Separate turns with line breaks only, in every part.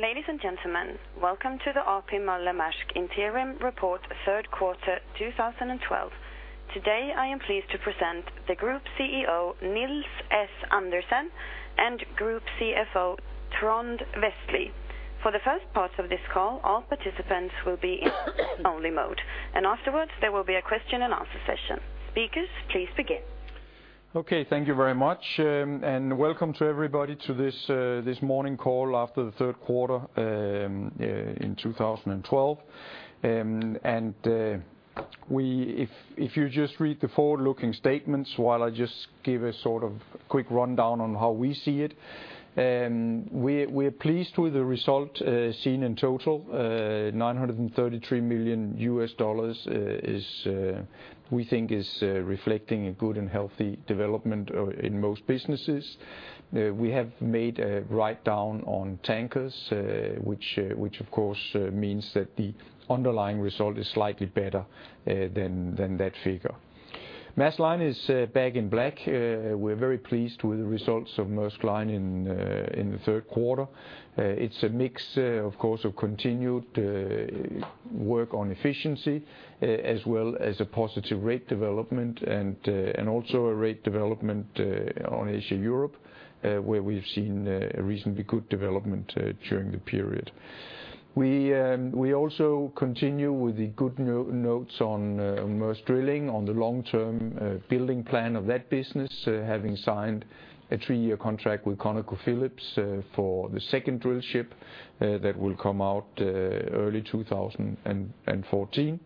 Ladies and gentlemen, welcome to the A.P. Moller - Maersk Interim Report, Q3 2012. Today, I am pleased to present the Group CEO, Nils S. Andersen, and Group CFO, Trond Westlie. For the first part of this call, all participants will be in listen only mode, and afterwards there will be a question and answer session. Speakers, please begin.
Okay, thank you very much, and welcome to everybody to this morning call after the Q3 in 2012. If you just read the forward-looking statements while I just give a sort of quick rundown on how we see it. We're pleased with the result seen in total $933 million, we think is reflecting a good and healthy development in most businesses. We have made a write-down on tankers, which of course means that the underlying result is slightly better than that figure. Maersk Line is back in black. We're very pleased with the results of Maersk Line in the Q3. It's a mix, of course, of continued work on efficiency as well as a positive rate development and also a rate development on Asia-Europe, where we've seen a reasonably good development during the period. We also continue with the good notes on Maersk Drilling on the long-term building plan of that business, having signed a three-year contract with ConocoPhillips for the second drill ship that will come out early 2014.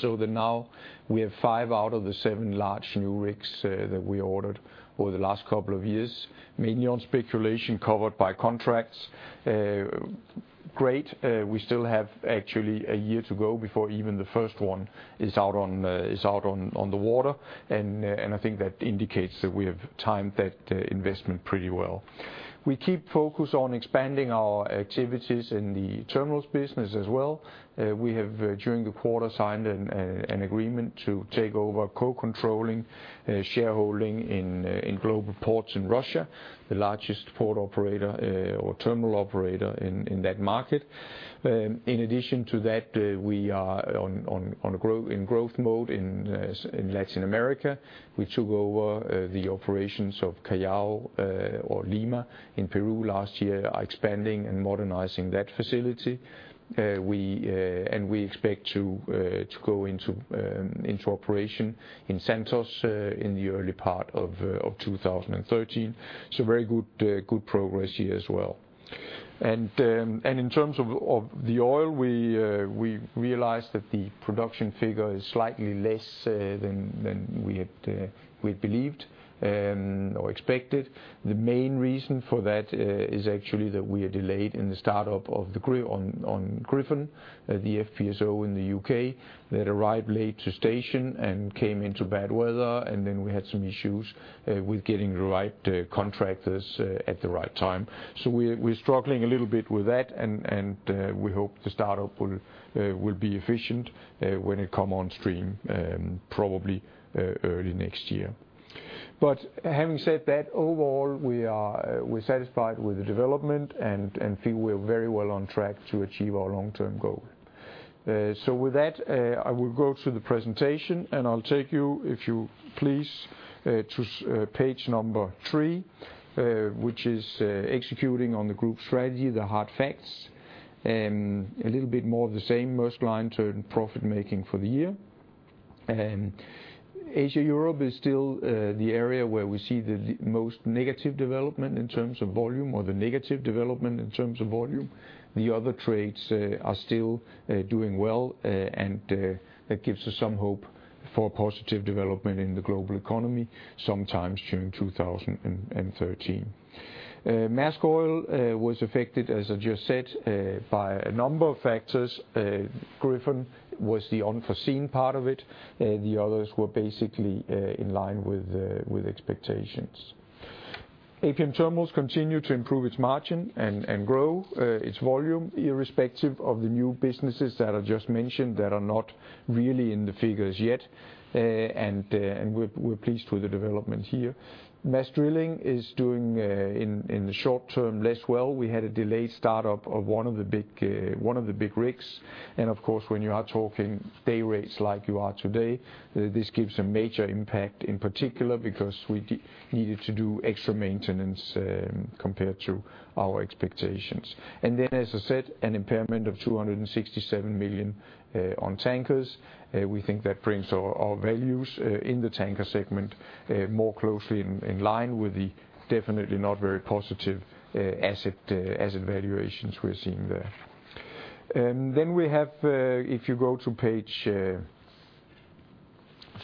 So that now we have five out of the seven large new rigs that we ordered over the last couple of years, mainly on speculation covered by contracts. Great. We still have actually a year to go before even the first one is out on the water, and I think that indicates that we have timed that investment pretty well. We keep focus on expanding our activities in the terminals business as well. We have, during the quarter, signed an agreement to take over co-controlling shareholding in Global Ports in Russia, the largest port operator or terminal operator in that market. In addition to that, we are on a growth mode in Latin America. We took over the operations of Callao or Lima in Peru last year, are expanding and modernizing that facility. We expect to go into operation in Santos in the early part of 2013. Very good progress here as well. In terms of the oil, we realized that the production figure is slightly less than we had believed or expected. The main reason for that is actually that we are delayed in the start-up of the Gryphon, the FPSO in the U.K., that arrived late to station and came into bad weather. Then we had some issues with getting the right contractors at the right time. We're struggling a little bit with that. We hope the start-up will be efficient when it come on stream, probably early next year. Having said that, overall, we're satisfied with the development and feel we're very well on track to achieve our long-term goal. With that, I will go to the presentation, and I'll take you, if you please, to page number three, which is executing on the group strategy, the hard facts. A little bit more of the same Maersk Line turn profit making for the year. Asia/Europe is still the area where we see the most negative development in terms of volume. The other trades are still doing well, and that gives us some hope for positive development in the global economy sometimes during 2013. Maersk Oil was affected, as I just said, by a number of factors. Gryphon was the unforeseen part of it. The others were basically in line with expectations. APM Terminals continue to improve its margin and grow its volume irrespective of the new businesses that I just mentioned that are not really in the figures yet. We're pleased with the development here. Maersk Drilling is doing in the short term less well. We had a delayed start-up of one of the big rigs. Of course, when you are talking day rates like you are today, this gives a major impact in particular because we needed to do extra maintenance, compared to our expectations. As I said, an impairment of $267 million on tankers. We think that brings our values in the tanker segment more closely in line with the definitely not very positive asset valuations we're seeing there.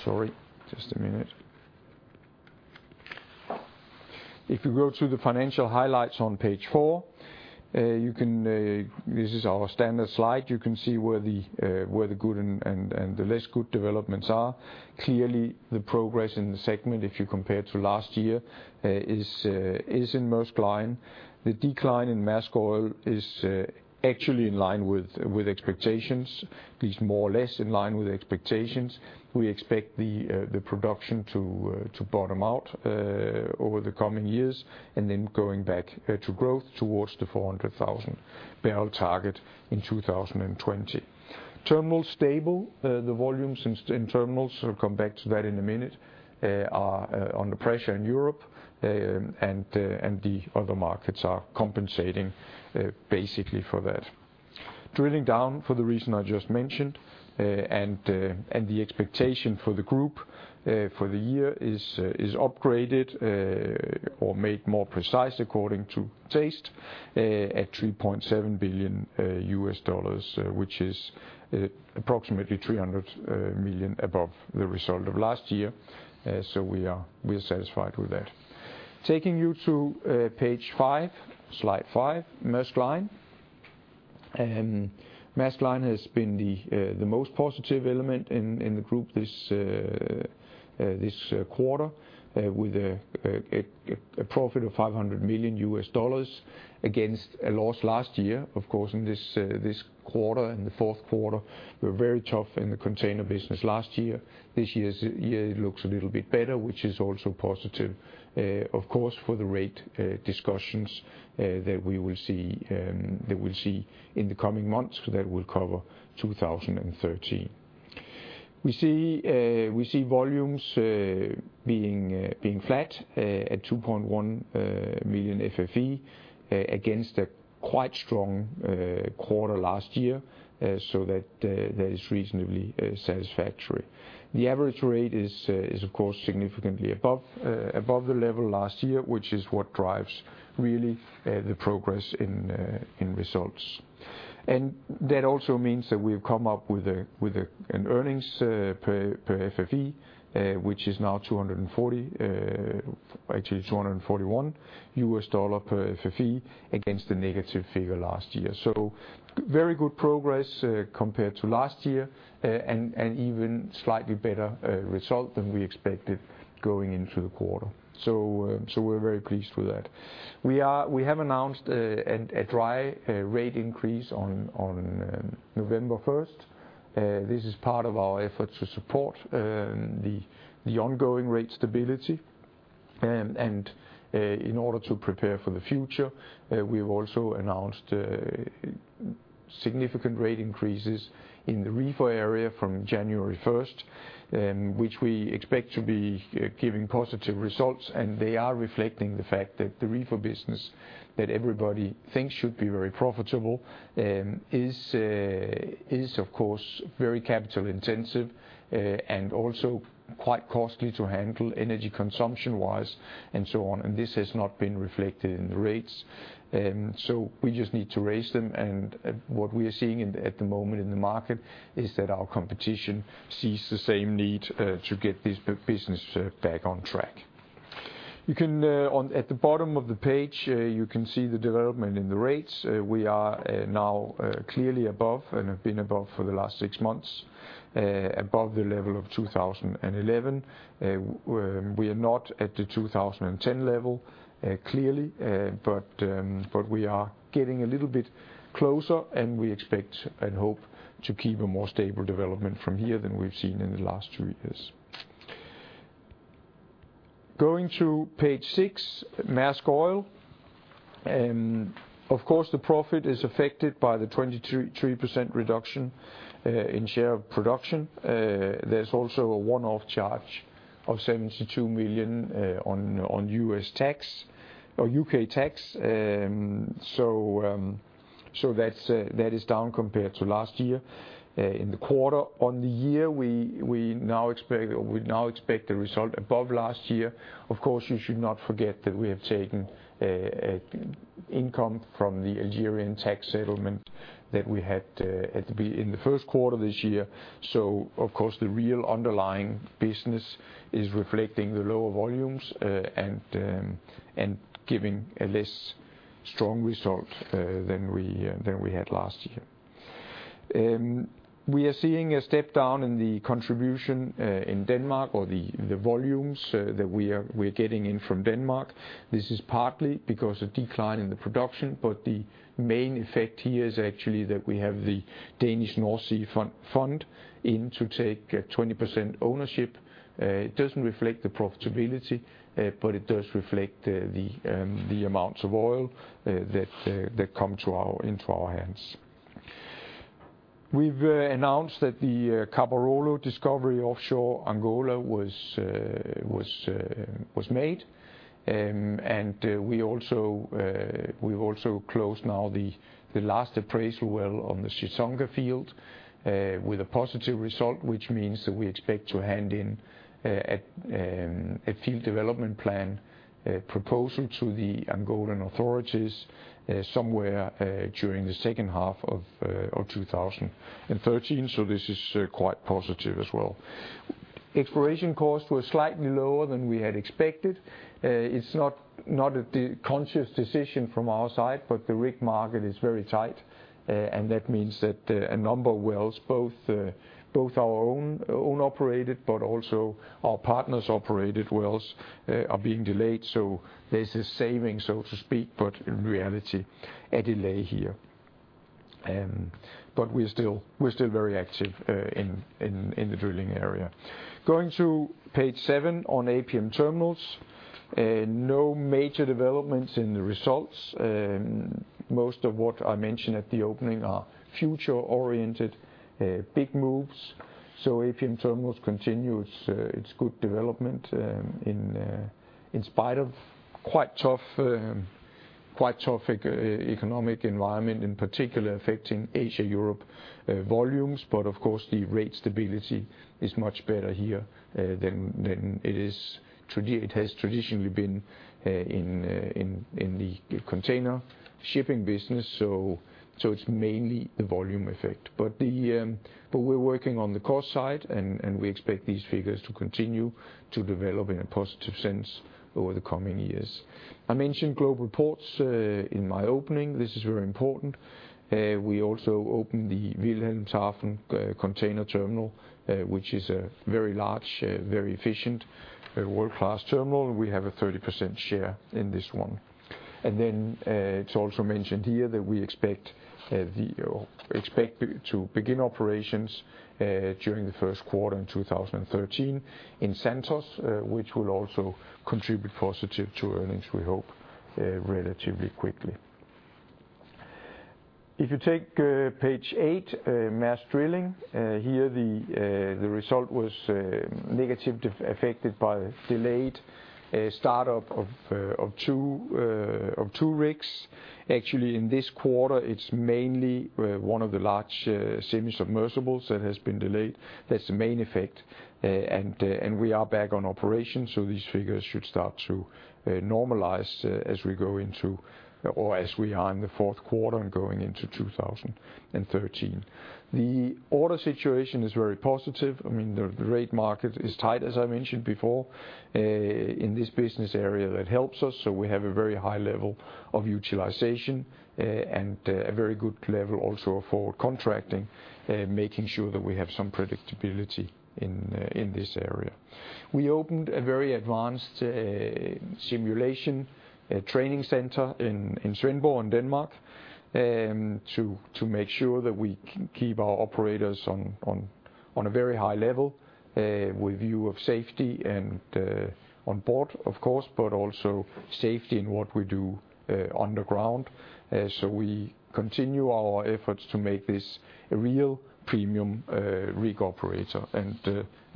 Sorry, just a minute. If you go to the financial highlights on page four, you can, this is our standard slide. You can see where the good and the less good developments are. Clearly, the progress in the segment, if you compare to last year, is in Maersk Line. The decline in Maersk Oil is actually in line with expectations, at least more or less in line with expectations. We expect the production to bottom out over the coming years, and then going back to growth towards the 400,000 barrel target in 2020. Terminals stable. The volumes in terminals, I'll come back to that in a minute, are under pressure in Europe, and the other markets are compensating basically for that. Drilling down for the reason I just mentioned, and the expectation for the group for the year is upgraded or made more precise according to taste at $3.7 billion, which is approximately $300 million above the result of last year. We are satisfied with that. Taking you to page five, slide five, Maersk Line. Maersk Line has been the most positive element in the group this quarter with a profit of $500 million against a loss last year. Of course, in this quarter, in the Q4, were very tough in the container business last year. This year it looks a little bit better, which is also positive, of course, for the rate discussions that we'll see in the coming months that will cover 2013. We see volumes being flat at $2.1 million FFE against a quite strong quarter last year, so that is reasonably satisfactory. The average rate is of course significantly above the level last year, which is what drives really the progress in results. That also means that we've come up with an earnings per FFE which is now $240 actually $241 per FFE against a negative figure last year. Very good progress compared to last year and even slightly better result than we expected going into the quarter. We're very pleased with that. We have announced a dry rate increase on November 1st. This is part of our effort to support the ongoing rate stability. In order to prepare for the future, we've also announced significant rate increases in the reefer area from January 1st, which we expect to be giving positive results. They are reflecting the fact that the reefer business that everybody thinks should be very profitable is of course very capital intensive and also quite costly to handle energy consumption-wise and so on. This has not been reflected in the rates. We just need to raise them. What we are seeing at the moment in the market is that our competition sees the same need to get this business back on track. You can see, at the bottom of the page, the development in the rates. We are now clearly above, and have been above for the last six months, above the level of 2011. We are not at the 2010 level, clearly, but we are getting a little bit closer, and we expect and hope to keep a more stable development from here than we've seen in the last two years. Going to page six, Maersk Oil. Of course, the profit is affected by the 22.3% reduction in share of production. There's also a one-off charge of $72 million on U.S. tax or U.K. tax. So that's down compared to last year in the quarter. On the year, we now expect the result above last year. Of course, you should not forget that we have taken income from the Algerian tax settlement that we had in the Q1 this year. So of course, the real underlying business is reflecting the lower volumes and giving a less strong result than we had last year. We are seeing a step down in the contribution in Denmark or the volumes that we are getting in from Denmark. This is partly because of decline in the production, but the main effect here is actually that we have the Nordsøfonden in to take 20% ownership. It doesn't reflect the profitability, but it does reflect the amounts of oil that come into our hands. We've announced that the Caporolo discovery offshore Angola was made. We've also closed now the last appraisal well on the Chissonga field with a positive result, which means that we expect to hand in a field development plan, a proposal to the Angolan authorities somewhere during the H2 of 2013. This is quite positive as well. Exploration costs were slightly lower than we had expected. It's not a conscious decision from our side, but the rig market is very tight. That means that a number of wells, both our own operated, but also our partners operated wells, are being delayed. There's a saving, so to speak, but in reality, a delay here. But we're still very active in the drilling area. Going to page seven on APM Terminals. No major developments in the results. Most of what I mentioned at the opening are future-oriented big moves. APM Terminals continues its good development in spite of quite tough economic environment, in particular affecting Asia-Europe volumes. Of course, the rate stability is much better here than it has traditionally been in the container shipping business. It's mainly the volume effect. We're working on the cost side, and we expect these figures to continue to develop in a positive sense over the coming years. I mentioned Global Ports in my opening. This is very important. We also opened the Wilhelmshaven container terminal, which is a very large, very efficient, world-class terminal. We have a 30% share in this one. It's also mentioned here that we expect to begin operations during the Q1 in 2013 in Santos, which will also contribute positive to earnings, we hope, relatively quickly. If you take page eight, Maersk Drilling, here the result was negatively affected by delayed startup of two rigs. Actually, in this quarter, it's mainly one of the large semi-submersibles that has been delayed. That's the main effect. We are back on operation, so these figures should start to normalize as we go into or as we are in the Q4 and going into 2013. The order situation is very positive. I mean, the rate market is tight, as I mentioned before. In this business area that helps us, so we have a very high level of utilization and a very good level also for contracting, making sure that we have some predictability in this area. We opened a very advanced simulation training center in Svendborg in Denmark to make sure that we keep our operators on a very high level with view of safety and on board of course but also safety in what we do underground. We continue our efforts to make this a real premium rig operator.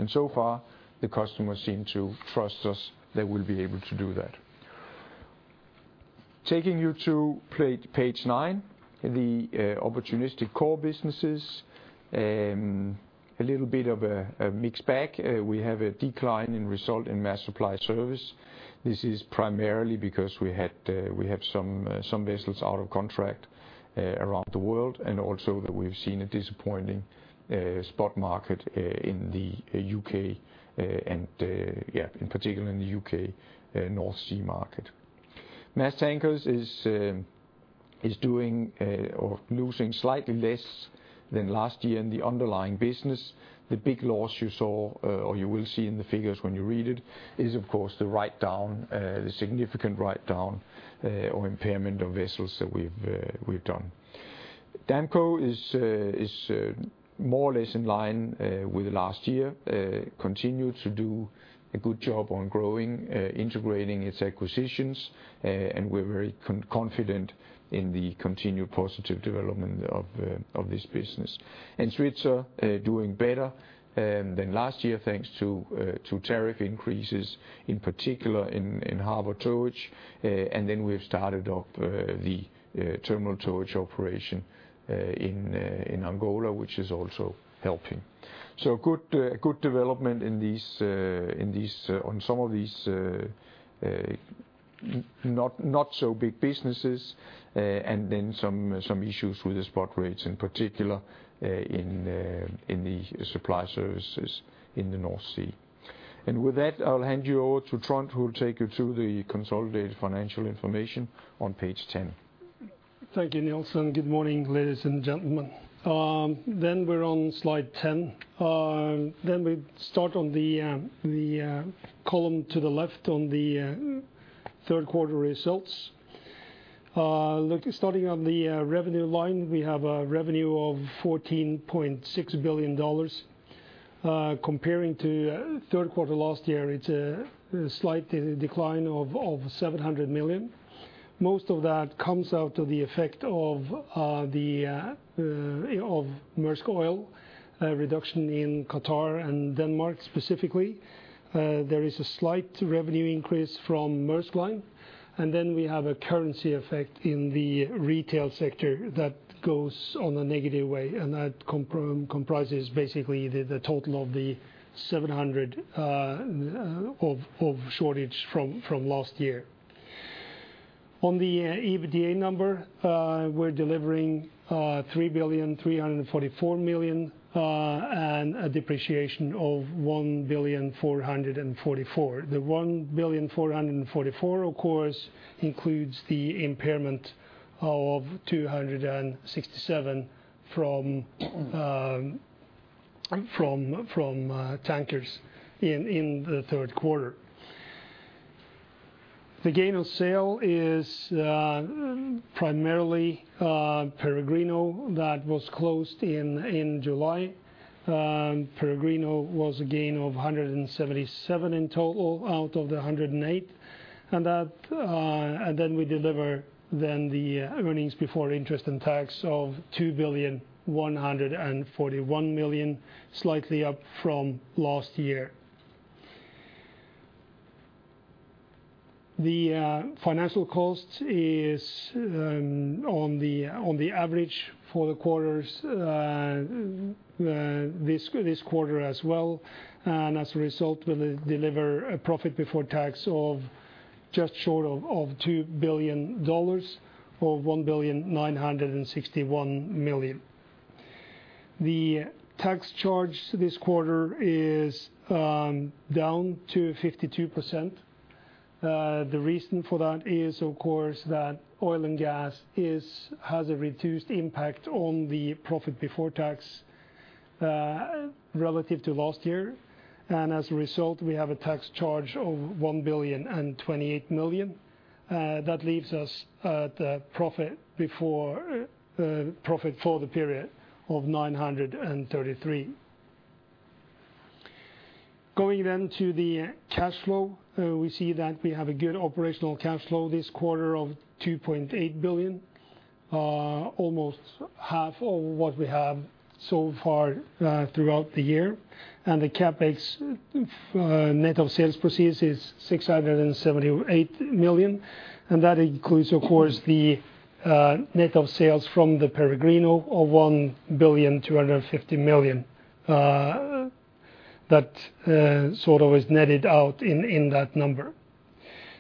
So far the customers seem to trust us that we'll be able to do that. Taking you to page nine, the opportunistic core businesses. A little bit of a mixed bag. We have a decline in result in Maersk Supply Service. This is primarily because we have some vessels out of contract around the world, and also that we've seen a disappointing spot market in the U.K. and in particular in the U.K. North Sea market. Maersk Tankers is doing or losing slightly less than last year in the underlying business. The big loss you saw or you will see in the figures when you read it is, of course, the significant write-down or impairment of vessels that we've done. Damco is more or less in line with last year. Continue to do a good job on growing, integrating its acquisitions. We're very confident in the continued positive development of this business. Svitzer doing better than last year, thanks to tariff increases, in particular in harbor towage. We've started up the terminal towage operation in Angola, which is also helping. Good development in these on some of these not so big businesses. Some issues with the spot rates, in particular in the supply services in the North Sea. With that, I'll hand you over to Trond, who will take you through the consolidated financial information on page 10.
Thank you, Nils and good morning, ladies and gentlemen. We're on slide 10. We start on the column to the left on the Q3 results. Look, starting on the revenue line, we have a revenue of $14.6 billion. Comparing to Q3 last year, it's a slight decline of $700 million. Most of that comes out of the effect of Maersk Oil reduction in Qatar and Denmark specifically. There is a slight revenue increase from Maersk Line. We have a currency effect in the retail sector that goes on a negative way. That comprises basically the total of the $700 million shortage from last year. On the EBITDA number, we're delivering $3.344 billion and a depreciation of $1.444 billion. The $1.444 billion, of course, includes the impairment of $267 million from Tankers in the Q3. The gain of sale is primarily Peregrino that was closed in July. Peregrino was a gain of $177 million in total out of the $108 million. That, then we deliver the earnings before interest and tax of $2.141 billion, slightly up from last year. The financing cost is on the average for the quarters, this quarter as well, and as a result will deliver a profit before tax of just short of $2 billion or $1.961 billion. The tax charge this quarter is down to 52%. The reason for that is of course that oil and gas has a reduced impact on the profit before tax relative to last year. As a result, we have a tax charge of $1,028 million. That leaves us at a profit for the period of $933 million. Going to the cash flow, we see that we have a good operational cash flow this quarter of $2.8 billion, almost half of what we have so far throughout the year. The CapEx, net of sales proceeds is $678 million, and that includes, of course, the net of sales from the Peregrino of $1.250 billion, that sort of is netted out in that number.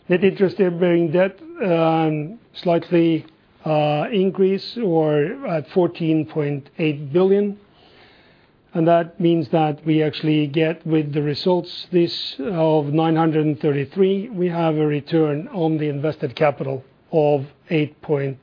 Net interest-bearing debt slightly increased to $14.8 billion, and that means that we actually get with the results this of $933, we have a return on the invested capital of 8.3%.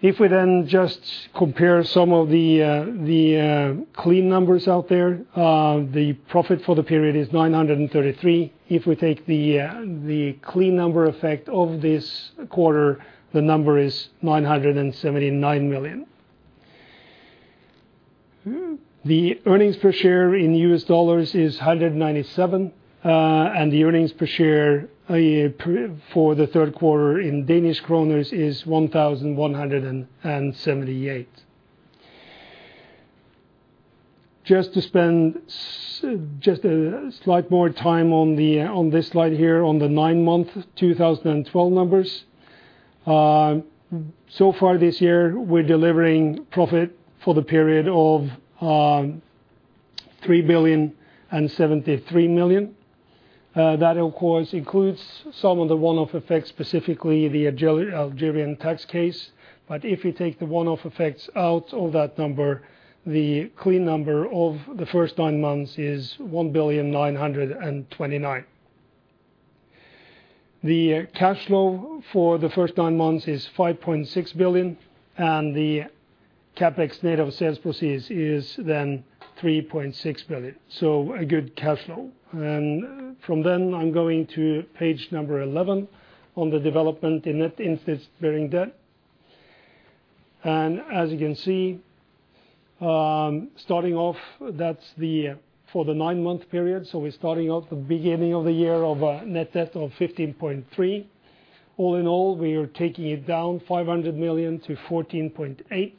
If we then just compare some of the clean numbers out there, the profit for the period is $933 million. If we take the clean number effect of this quarter, the number is $979 million. The earnings per share in U.S. dollars is $197, and the earnings per share for the Q3 in Danish kroner is 1,178. Just a slight more time on this slide here on the nine-month 2012 numbers. So far this year, we're delivering profit for the period of $3.073 billion. That of course includes some of the one-off effects, specifically the Algerian tax case. If you take the one-off effects out of that number, the clean number for the first nine months is $1.929 billion. The cash flow for the first nine months is $5.6 billion, and the CapEx net of sales proceeds is then $3.6 billion. A good cash flow. From then, I'm going to page 11 on the development in net interest-bearing debt. As you can see, starting off for the nine-month period. We're starting from the beginning of the year with net debt of $15.3 billion. All in all, we are taking it down $500 million-$14.8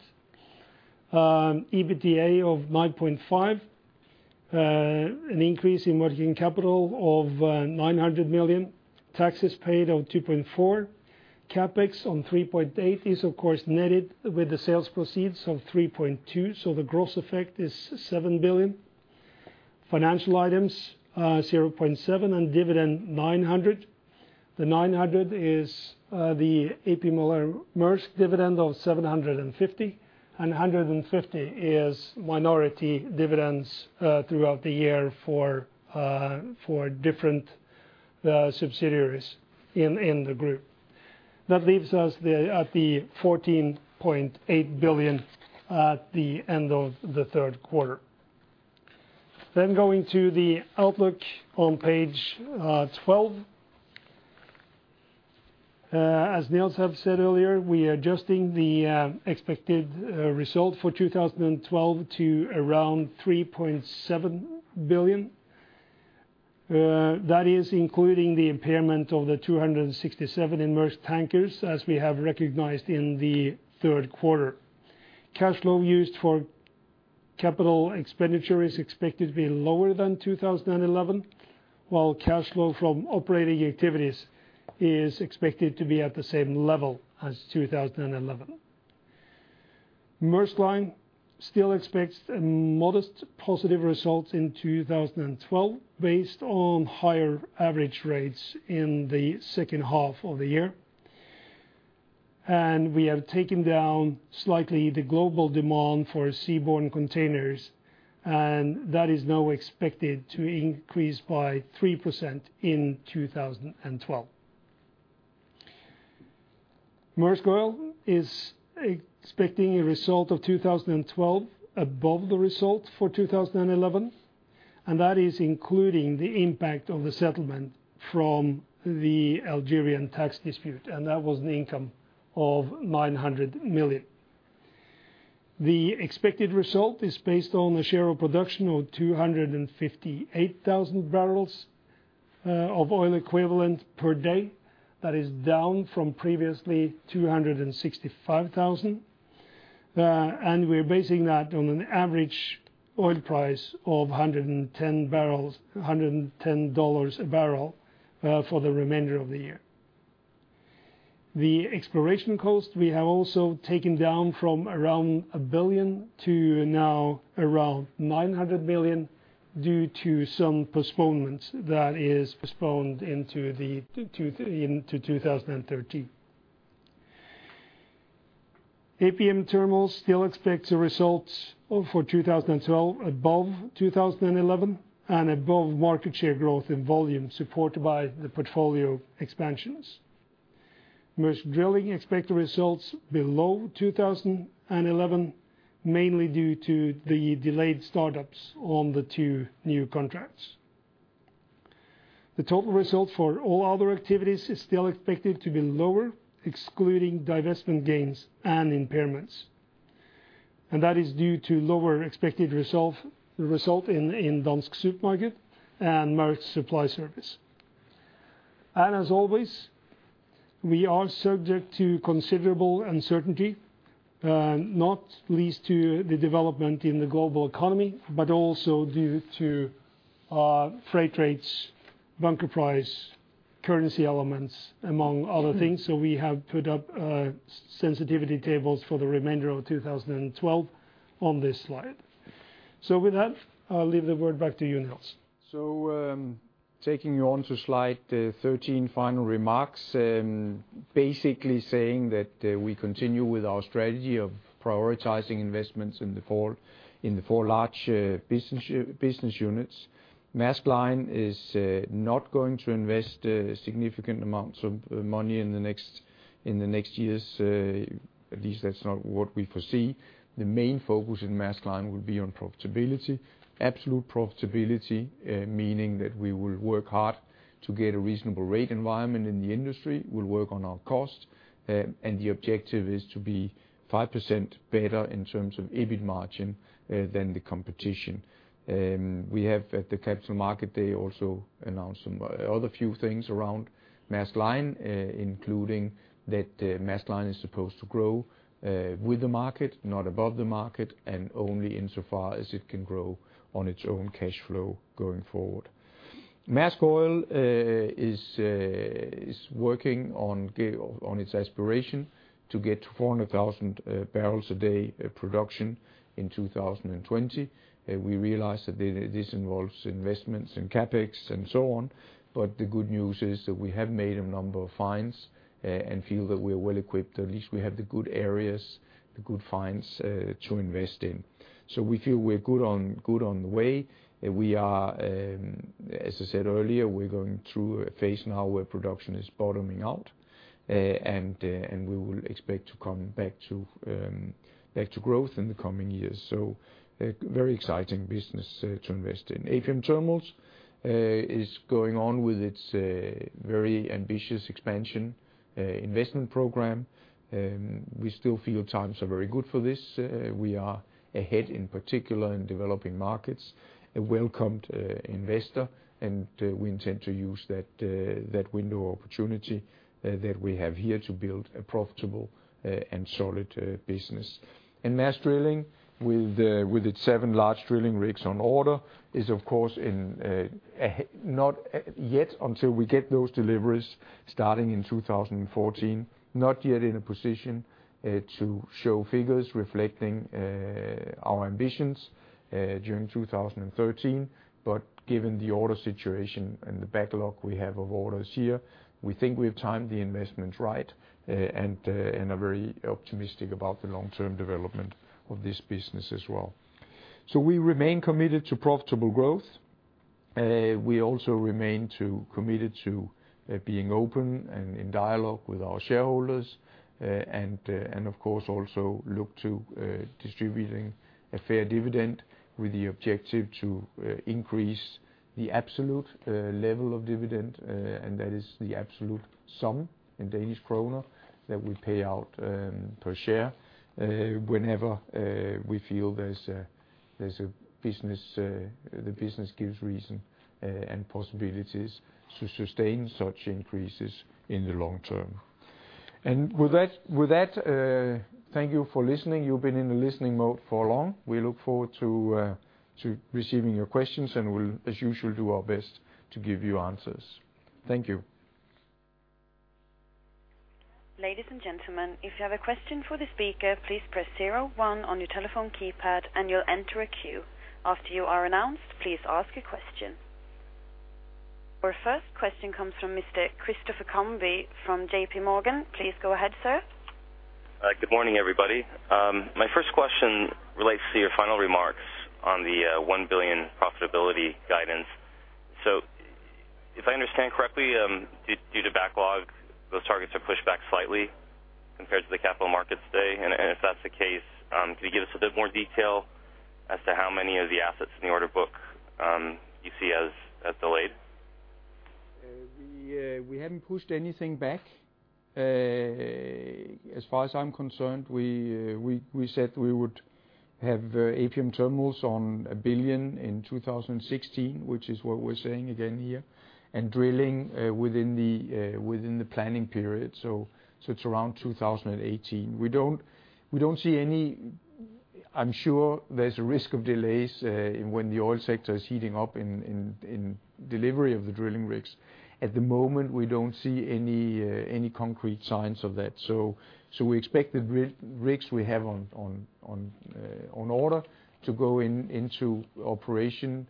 billion. EBITDA of $9.5 billion, an increase in working capital of $900 million, taxes paid of $2.4 billion, CapEx of $3.8 billion is of course netted with the sales proceeds of $3.2 billion, so the gross effect is $7 billion. Financial items, $0.7 billion, and dividend, $900 million. The $900 million is, the A.P. Moller-Maersk dividend of $750 million, and $150 million is minority dividends throughout the year for different subsidiaries in the group. That leaves us at $14.8 billion at the end of the Q3. Going to the outlook on page 12. As Nils have said earlier, we are adjusting the expected result for 2012 to around $3.7 billion. That is including the impairment of $267 in Maersk Tankers, as we have recognized in the Q3. Cash flow used for capital expenditure is expected to be lower than 2011, while cash flow from operating activities is expected to be at the same level as 2011. Maersk Line still expects a modest positive result in 2012 based on higher average rates in the H2 of the year. We have taken down slightly the global demand for seaborne containers, and that is now expected to increase by 3% in 2012. Maersk Oil is expecting a result of 2012 above the result for 2011, and that is including the impact of the settlement from the Algerian tax dispute, and that was an income of $900 million. The expected result is based on the share of production of 258,000 barrels of oil equivalent per day. That is down from previously 265,000. We're basing that on an average oil price of $110 a barrel for the remainder of the year. The exploration cost, we have also taken down from around $1 billion to now around $900 million due to some postponements that is postponed into the into 2013. APM Terminals still expects the results for 2012 above 2011 and above market share growth in volume supported by the portfolio expansions. Maersk Drilling expect the results below 2011, mainly due to the delayed startups on the two new contracts. The total result for all other activities is still expected to be lower, excluding divestment gains and impairments. That is due to lower expected result in Dansk Supermarket and Maersk Supply Service. As always, we are subject to considerable uncertainty, not least to the development in the global economy, but also due to freight rates, bunker price, currency elements, among other things. We have put up sensitivity tables for the remainder of 2012 on this slide. With that, I'll hand the word back to you, Nils.
Taking you on to slide 13, final remarks. Basically saying that we continue with our strategy of prioritizing investments in the four large business units. Maersk Line is not going to invest significant amounts of money in the next years, at least that's not what we foresee. The main focus in Maersk Line will be on profitability. Absolute profitability, meaning that we will work hard to get a reasonable rate environment in the industry. We'll work on our cost. The objective is to be 5% better in terms of EBIT margin than the competition. We have at the Capital Market Day also announced some other few things around Maersk Line, including that Maersk Line is supposed to grow with the market, not above the market, and only insofar as it can grow on its own cash flow going forward. Maersk Oil is working on its aspiration to get 400,000 barrels a day production in 2020. We realize that this involves investments in CapEx and so on. The good news is that we have made a number of finds and feel that we are well equipped. At least we have the good areas, the good finds to invest in. We feel we're good on the way. We are, as I said earlier, we're going through a phase now where production is bottoming out, and we will expect to come back to back to growth in the coming years. A very exciting business to invest in. APM Terminals is going on with its very ambitious expansion investment program. We still feel times are very good for this. We are ahead, in particular in developing markets, a welcomed investor, and we intend to use that that window of opportunity that we have here to build a profitable and solid business. Maersk Drilling with its seven large drilling rigs on order is of course in not yet until we get those deliveries starting in 2014, not yet in a position to show figures reflecting our ambitions during 2013. Given the order situation and the backlog we have of orders here, we think we have timed the investment right, and are very optimistic about the long-term development of this business as well. We remain committed to profitable growth. We also remain committed to being open and in dialogue with our shareholders, and of course, also look to distributing a fair dividend with the objective to increase the absolute level of dividend. That is the absolute sum in Danish kroner that we pay out per share. Whenever we feel there's a business, the business gives reason and possibilities to sustain such increases in the long term. With that, thank you for listening. You've been in the listening mode for long. We look forward to receiving your questions, and we'll as usual do our best to give you answers. Thank you.
Ladies and gentlemen, if you have a question for the speaker, please press zero one on your telephone keypad and you'll enter a queue. After you are announced, please ask a question. Our first question comes from Mr. Christopher Combe from JPMorgan. Please go ahead, sir.
Good morning, everybody. My first question relates to your final remarks on the $1 billion profitability guidance. If I understand correctly, due to backlog, those targets are pushed back slightly compared to the capital markets day. If that's the case, can you give us a bit more detail as to how many of the assets in the order book you see as delayed?
We haven't pushed anything back. As far as I'm concerned, we said we would have APM Terminals on $1 billion in 2016, which is what we're saying again here, and drilling within the planning period. It's around 2018. We don't see any. I'm sure there's a risk of delays when the oil sector is heating up in delivery of the drilling rigs. At the moment, we don't see any concrete signs of that. We expect the drilling rigs we have on order to go into operation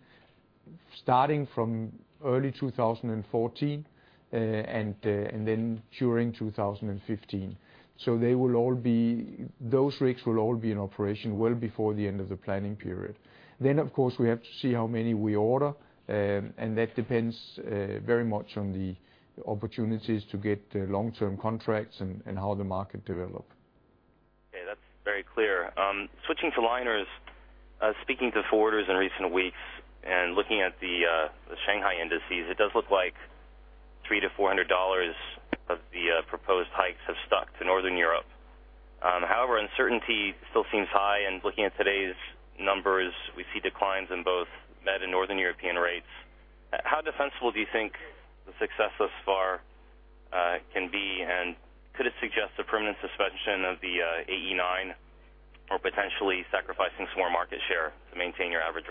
starting from early 2014 and then during 2015. Those rigs will all be in operation well before the end of the planning period. Of course, we have to see how many we order. That depends very much on the opportunities to get long-term contracts and how the market develop.
Okay, that's very clear. Switching to liners. Speaking to forwarders in recent weeks and looking at the Shanghai indices, it does look like $300-$400 of the proposed hikes have stuck to Northern Europe. However, uncertainty still seems high. Looking at today's numbers, we see declines in both Med and Northern European rates. How defensible do you think the success thus far can be? Could it suggest a permanent suspension of the AE9 or potentially sacrificing some more market share to maintain your average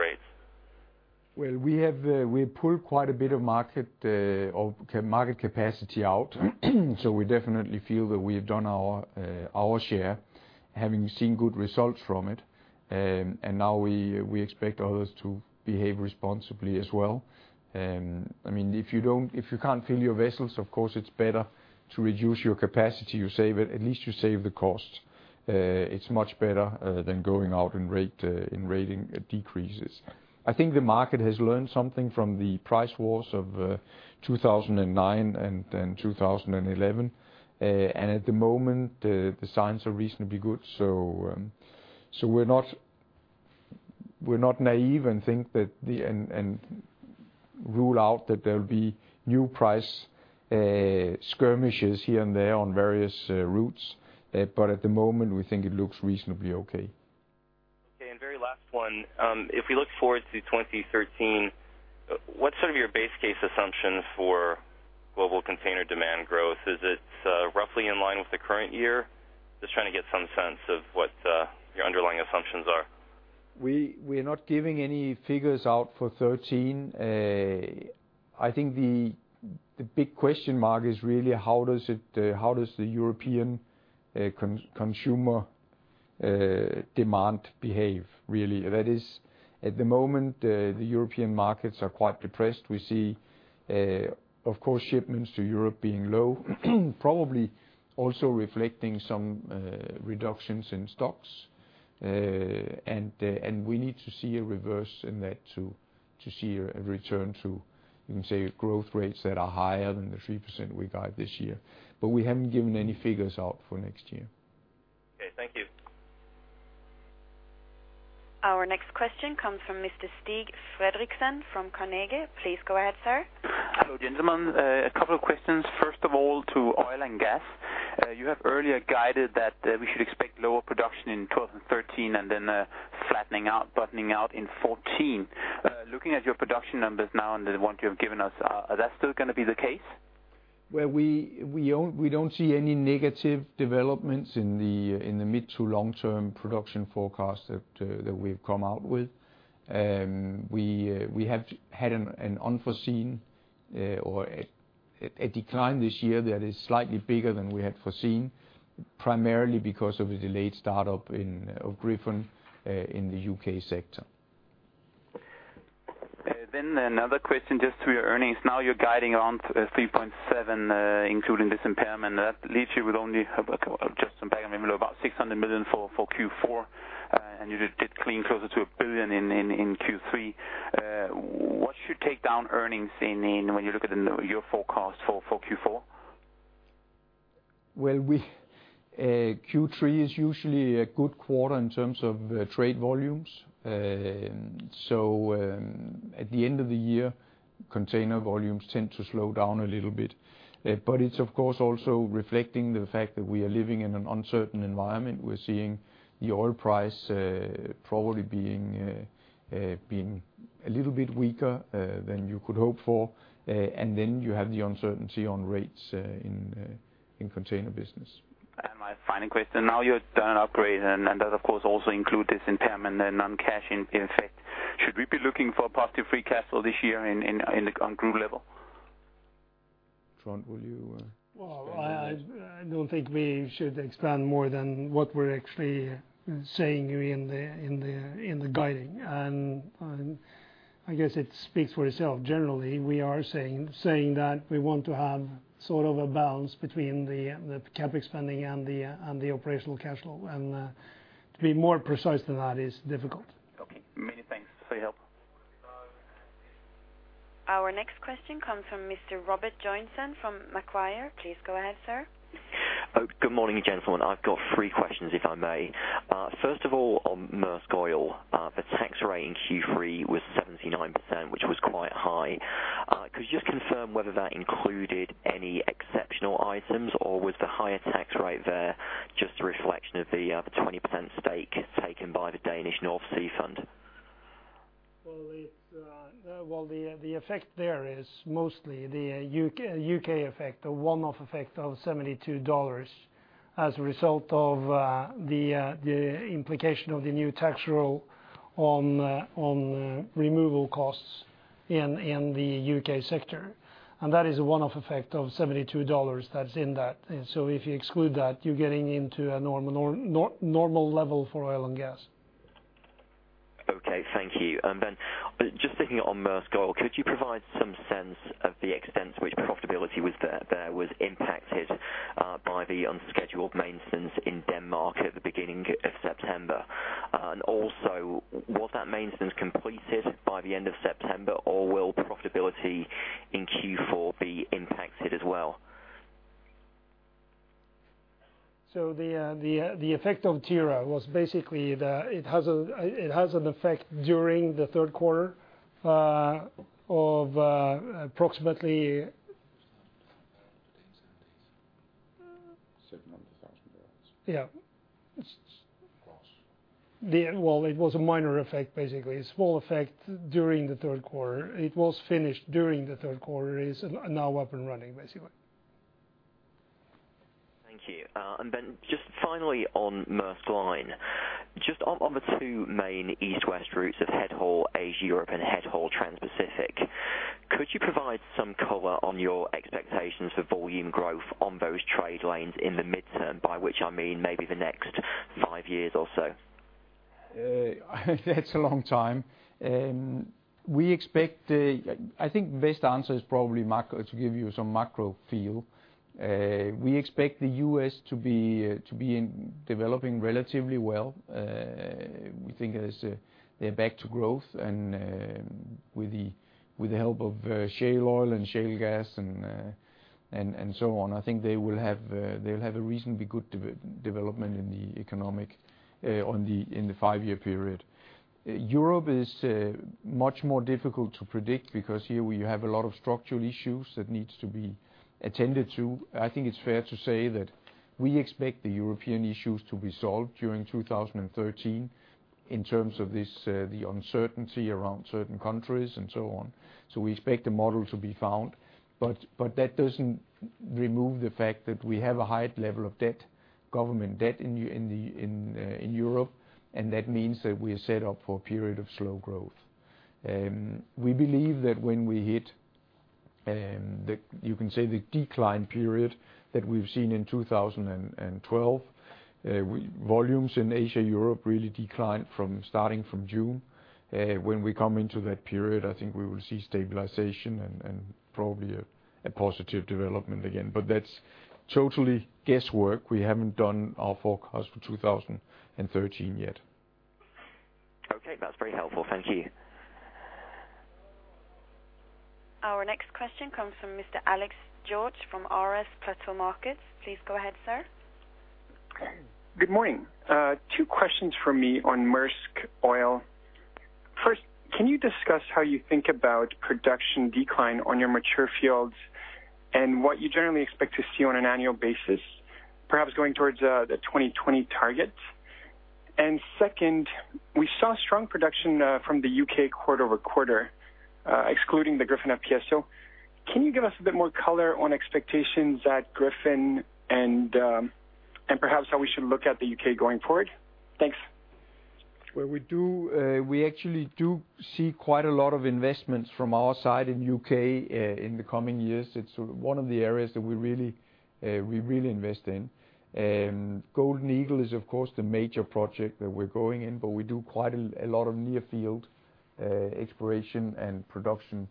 rates?
Well, we have pulled quite a bit of market capacity out. So we definitely feel that we have done our share, having seen good results from it. Now we expect others to behave responsibly as well. I mean, if you can't fill your vessels, of course, it's better to reduce your capacity. You save at least the cost. It's much better than going out in rating decreases. I think the market has learned something from the price wars of 2009 and then 2011. At the moment, the signs are reasonably good. We're not naive and think that and rule out that there'll be new price skirmishes here and there on various routes. At the moment, we think it looks reasonably okay.
Okay. Very last one. If we look forward to 2013, what's sort of your base case assumptions for global container demand growth? Is it roughly in line with the current year? Just trying to get some sense of what your underlying assumptions are.
We are not giving any figures out for 2013. I think the big question mark is really how does the European consumer demand behave really? That is, at the moment, the European markets are quite depressed. We see, of course, shipments to Europe being low, probably also reflecting some reductions in stocks. We need to see a reverse in that to see a return to, you can say, growth rates that are higher than the 3% we got this year. We haven't given any figures out for next year.
Okay. Thank you.
Our next question comes from Mr. Stig Frederiksen from Carnegie. Please go ahead, sir.
Hello, gentlemen. A couple of questions. First of all, to oil and gas. You have earlier guided that we should expect lower production in 12 and 13 and then a flattening out, bottoming out in 14. Looking at your production numbers now and the one you have given us, is that still gonna be the case?
Well, we don't see any negative developments in the mid to long term production forecast that we've come out with. We have had an unforeseen or a decline this year that is slightly bigger than we had foreseen, primarily because of a delayed start-up of Gryphon in the U.K. sector.
Another question just to your earnings. Now you're guiding on $3.7 billion, including this impairment. That leaves you with only about, just some back-of-the-envelope, about $600 million for Q4, and you did come closer to $1 billion in Q3. What should take down earnings when you look at your forecast for Q4?
Well, Q3 is usually a good quarter in terms of trade volumes. At the end of the year, container volumes tend to slow down a little bit. It's of course also reflecting the fact that we are living in an uncertain environment. We're seeing the oil price probably being a little bit weaker than you could hope for. Then you have the uncertainty on rates in container business.
My final question. Now you've done an upgrade, and that of course also include this impairment and non-cash effect. Should we be looking for positive free cash flow this year in on group level?
Trond, will you expand on this?
Well, I don't think we should expand more than what we're actually saying in the guiding. I guess it speaks for itself. Generally, we are saying that we want to have sort of a balance between the CapEx spending and the operational cash flow. To be more precise than that is difficult.
Our next question comes from Mr. Robert Gillam from Macquarie. Please go ahead, sir.
Oh, good morning, gentlemen. I've got three questions, if I may. First of all, on Maersk Oil, the tax rate in Q3 was 79%, which was quite high. Could you just confirm whether that included any exceptional items or was the higher tax rate there just a reflection of the 20% stake taken by Nordsøfonden?
The effect there is mostly the U.K. effect, a one-off effect of $72 as a result of the implication of the new tax rule on removal costs in the U.K. sector. That is a one-off effect of $72 that's in that. If you exclude that, you're getting into a normal level for oil and gas.
Okay. Thank you. Just sticking on Maersk Oil, could you provide some sense of the extent to which profitability was impacted by the unscheduled maintenance in Denmark at the beginning of September? Also, was that maintenance completed by the end of September, or will profitability in Q4 be impacted as well?
The effect of Tyra was basically it has an effect during the Q3 of approximately-
$700,000.
Yeah.
Gross.
Well, it was a minor effect, basically. A small effect during the Q3. It was finished during the Q3. It's now up and running, basically.
Thank you. Just finally, on Maersk Line, just on the two main East-West routes of head haul Asia-Europe and head haul Transpacific, could you provide some color on your expectations for volume growth on those trade lanes in the midterm, by which I mean maybe the next five years or so?
That's a long time. We expect, I think best answer is probably macro, to give you some macro feel. We expect the U.S. to be developing relatively well. We think as they're back to growth and with the help of shale oil and shale gas and so on. I think they will have they'll have a reasonably good development in the economy in the five-year period. Europe is much more difficult to predict because here we have a lot of structural issues that needs to be attended to. I think it's fair to say that we expect the European issues to be solved during 2013 in terms of the uncertainty around certain countries and so on. We expect a model to be found, but that doesn't remove the fact that we have a high level of debt, government debt, in Europe, and that means that we are set up for a period of slow growth. We believe that when we hit the decline period that we've seen in 2012, volumes in Asia-Europe really declined starting from June. When we come into that period, I think we will see stabilization and probably a positive development again. That's totally guesswork. We haven't done our forecast for 2013 yet.
Okay. That's very helpful. Thank you.
Our next question comes from Mr. Alex George from RS Platou Markets. Please go ahead, sir.
Good morning. Two questions from me on Maersk Oil. First, can you discuss how you think about production decline on your mature fields and what you generally expect to see on an annual basis, perhaps going towards the 2020 targets? Second, we saw strong production from the U.K. quarter-over-quarter, excluding the Gryphon FPSO. Can you give us a bit more color on expectations at Gryphon and perhaps how we should look at the U.K. going forward? Thanks.
Well, we do, we actually do see quite a lot of investments from our side in U.K., in the coming years. It's one of the areas that we really invest in. Golden Eagle is, of course, the major project that we're growing in, but we do quite a lot of near-field exploration and production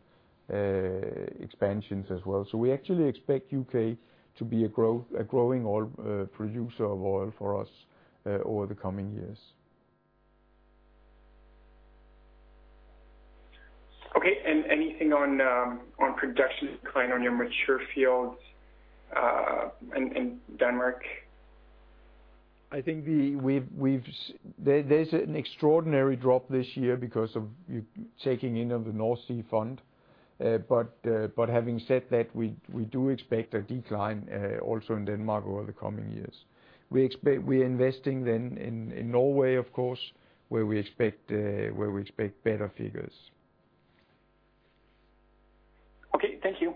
expansions as well. We actually expect U.K. to be a growing oil producer of oil for us, over the coming years.
Okay. Anything on production decline on your mature fields in Denmark?
I think there's an extraordinary drop this year because of taking in of Nordsøfonden. Having said that, we do expect a decline also in Denmark over the coming years. We expect we're investing then in Norway, of course, where we expect better figures.
Okay. Thank you.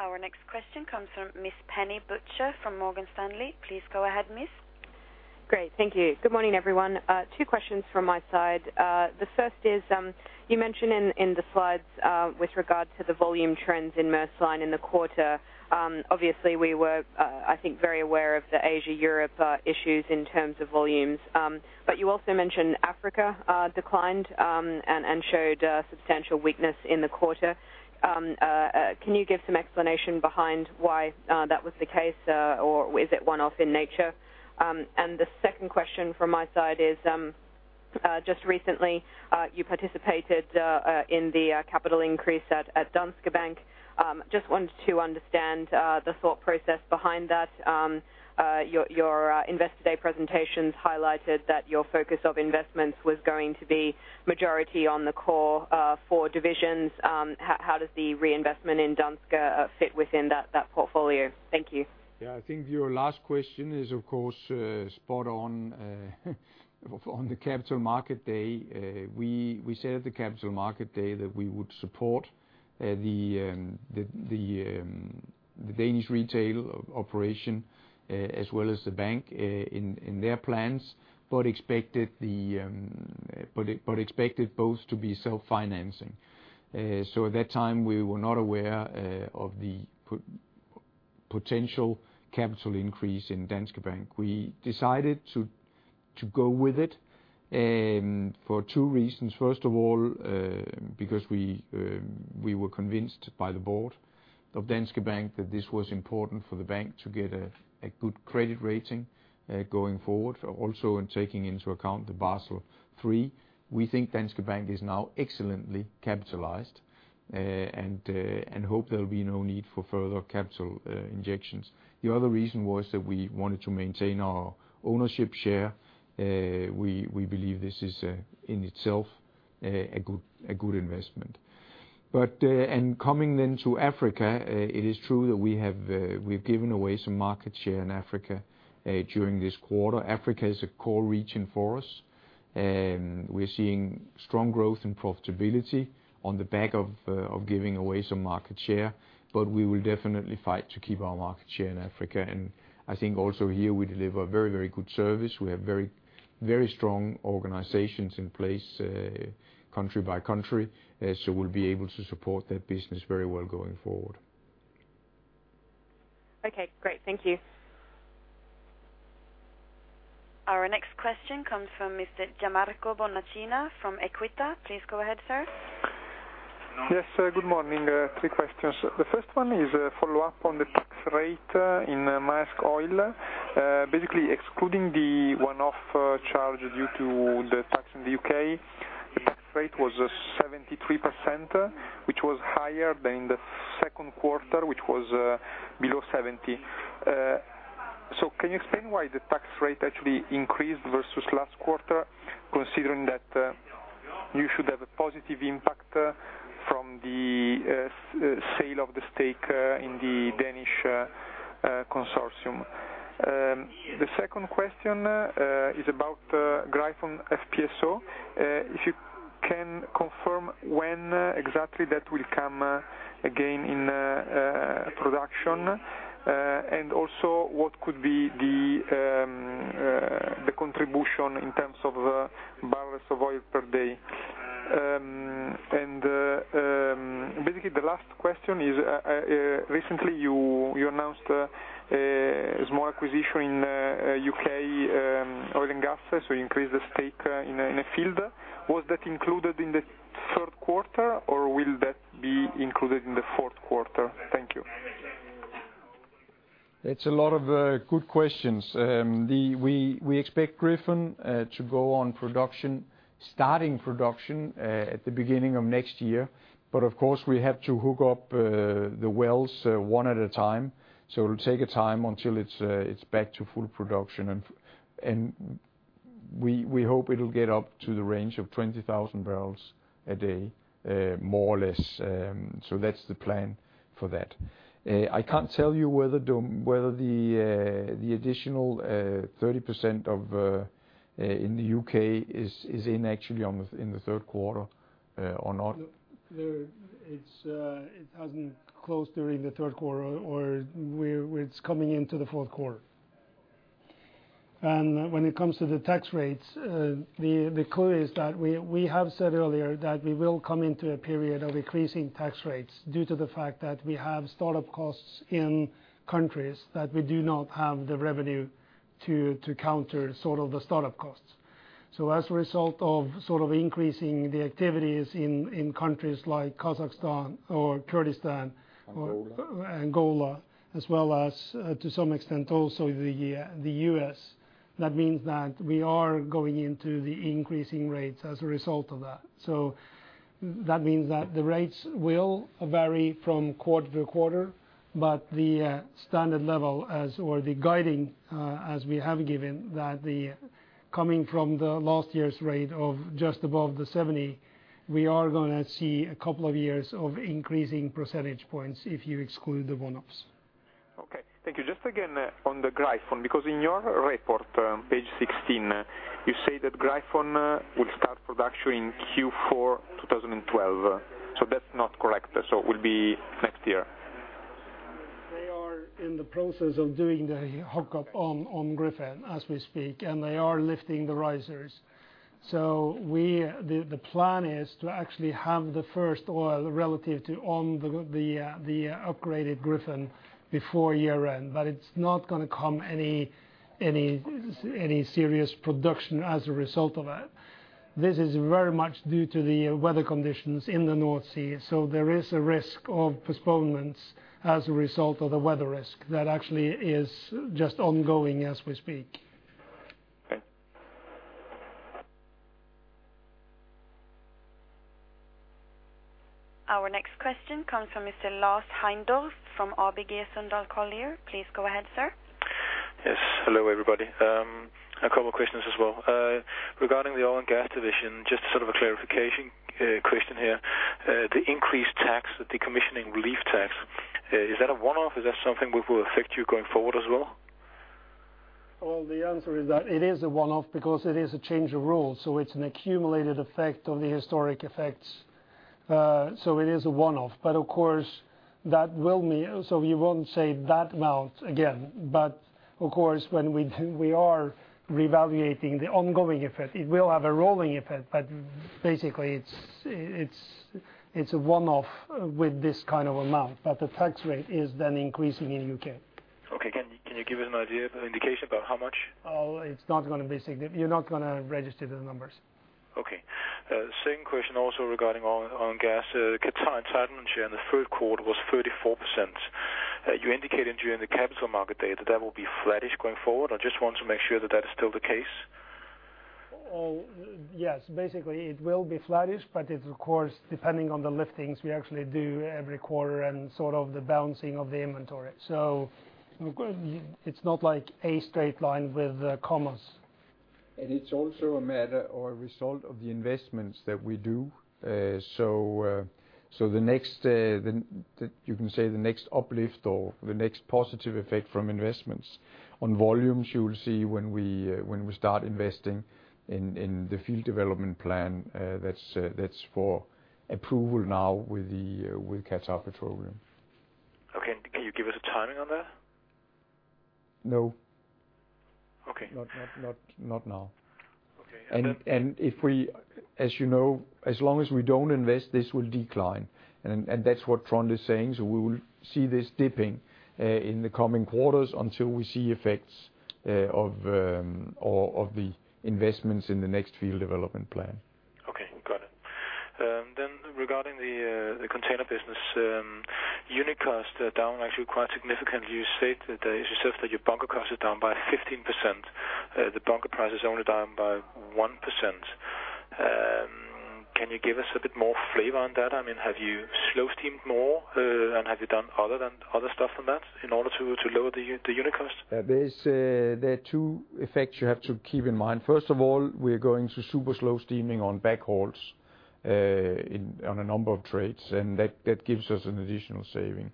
Our next question comes from Ms. Penny Butcher from Morgan Stanley. Please go ahead, Miss.
Great. Thank you. Good morning, everyone. Two questions from my side. The first is, you mentioned in the slides with regard to the volume trends in Maersk Line in the quarter, obviously, we were, I think, very aware of the Asia-Europe issues in terms of volumes. But you also mentioned Africa declined and showed substantial weakness in the quarter. Can you give some explanation behind why that was the case, or is it one-off in nature? The second question from my side is, just recently, you participated in the capital increase at Danske Bank. Just wanted to understand the thought process behind that. Your investor day presentations highlighted that your focus of investments was going to be majority on the core four divisions. How does the reinvestment in Danske fit within that portfolio? Thank you.
Yeah. I think your last question is of course spot on. On the Capital Markets Day, we said at the Capital Markets Day that we would support the Danish retail operation as well as the bank in their plans, but expected both to be self-financing. At that time, we were not aware of the potential capital increase in Danske Bank. We decided to go with it for two reasons. First of all, because we were convinced by the board of Danske Bank that this was important for the bank to get a good credit rating going forward. Also, in taking into account the Basel III, we think Danske Bank is now excellently capitalized, and hope there'll be no need for further capital injections. The other reason was that we wanted to maintain our ownership share. We believe this is in itself a good investment. Coming to Africa, it is true that we've given away some market share in Africa during this quarter. Africa is a core region for us, and we're seeing strong growth and profitability on the back of giving away some market share. We will definitely fight to keep our market share in Africa. I think also here we deliver very good service. We have very, very strong organizations in place, country by country, so we'll be able to support that business very well going forward.
Okay, great. Thank you. Our next question comes from Mr. Gianmarco Bonacina from Equita. Please go ahead, sir.
Yes. Good morning. Three questions. The first one is a follow-up on the tax rate in Maersk Oil. Basically excluding the one-off charge due to the tax in the UK, the tax rate was 73%, which was higher than the Q2, which was below 70%. So can you explain why the tax rate actually increased versus last quarter, considering that you should have a positive impact from the sale of the stake in the Danish consortium? The second question is about Gryphon FPSO. If you can confirm when exactly that will come again in production? And also what could be the contribution in terms of barrels of oil per day? Basically the last question is, recently you announced a small acquisition in U.K. oil and gas. You increased the stake in a field. Was that included in the Q3, or will that be included in the Q4? Thank you.
It's a lot of good questions. We expect Gryphon to go on production, starting production at the beginning of next year. Of course, we have to hook up the wells one at a time, so it'll take a time until it's back to full production. We hope it'll get up to the range of 20,000 barrels a day, more or less. That's the plan for that. I can't tell you whether the additional 30% in the U.K. is actually in the Q3 or not.
No. It hasn't closed during the Q3 or it's coming into the Q4. When it comes to the tax rates, the clue is that we have said earlier that we will come into a period of increasing tax rates due to the fact that we have start-up costs in countries that we do not have the revenue to counter sort of the start-up costs. As a result of sort of increasing the activities in countries like Kazakhstan or Kurdistan or Angola. Angola, as well as, to some extent also the US. That means that we are going into the increasing rates as a result of that. That means that the rates will vary from quarter to quarter. The standard level as, or the guiding, as we have given, that the coming from the last year's rate of just above 70, we are gonna see a couple of years of increasing percentage points if you exclude the one-offs.
Okay. Thank you. Just again on the Gryphon, because in your report, page 16, you say that Gryphon will start production in Q4 2012. That's not correct. It will be next year.
They are in the process of doing the hookup on Gryphon as we speak, and they are lifting the risers. The plan is to actually have the first oil from the upgraded Gryphon before year-end, but it's not gonna come any serious production as a result of that. This is very much due to the weather conditions in the North Sea. There is a risk of postponements as a result of the weather risk that actually is just ongoing as we speak.
Okay.
Our next question comes from Mr. Lars Heindorff from ABG Sundal Collier. Please go ahead, sir.
Yes. Hello, everybody. A couple questions as well. Regarding the oil and gas division, just sort of a clarification, question here. The increased tax, the decommissioning relief tax, is that a one-off? Is that something which will affect you going forward as well?
Well, the answer is that it is a one-off because it is a change of rules, so it's an accumulated effect of the historic effects. It is a one-off. Of course, that will mean. We won't say that amount again. Of course, when we do, we are reevaluating the ongoing effect. It will have a rolling effect, but basically, it's a one-off with this kind of amount, but the tax rate is then increasing in U.K.
Okay. Can you give us an idea of an indication about how much?
You're not gonna register the numbers.
Okay. Same question also regarding oil and gas. Qatar entitlement share in the Q3 was 34%. You indicated during the capital markets day that will be flattish going forward. I just want to make sure that that is still the case.
Well, yes. Basically, it will be flattish, but it's of course depending on the liftings we actually do every quarter and sort of the balancing of the inventory. Of course, it's not like a straight line with commas.
It's also a matter or a result of the investments that we do. The next, you can say the next uplift or the next positive effect from investments on volumes you will see when we start investing in the field development plan, that's for approval now with Qatar Petroleum.
Okay. Can you give us a timing on that?
No.
Okay.
Not now.
Okay.
If we, as you know, as long as we don't invest, this will decline, and that's what Trond is saying. We will see this dipping in the coming quarters until we see effects of the investments in the next field development plan.
Okay. Got it. Regarding the container business, unit cost down actually quite significantly. You state that your bunker cost is down by 15%, the bunker price is only down by 1%. Can you give us a bit more flavor on that? I mean, have you slow steamed more, and have you done other stuff than that in order to lower the unit cost?
Yeah. There are two effects you have to keep in mind. First of all, we're going to super slow steaming on backhauls in on a number of trades, and that gives us an additional saving.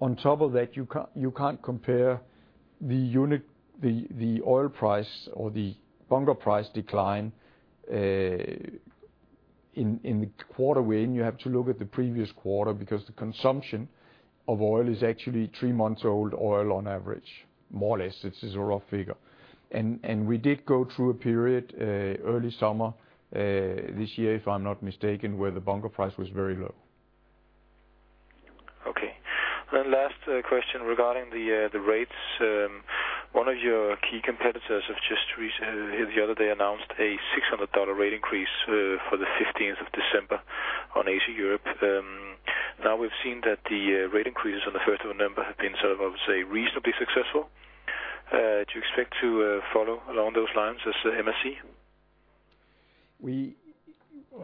On top of that, you can't compare the unit the oil price or the bunker price decline in the quarter we're in. You have to look at the previous quarter because the consumption of oil is actually three-months-old oil on average, more or less. It's just a rough figure. We did go through a period early summer this year, if I'm not mistaken, where the bunker price was very low.
Okay. Last question regarding the rates. One of your key competitors have just the other day announced a $600 rate increase for the fifteenth of December on Asia-Europe. Now we've seen that the rate increases on the first of November have been sort of, I would say, reasonably successful. Do you expect to follow along those lines as MSC?